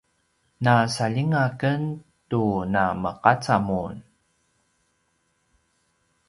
na saljinga ken tu na meqaca mun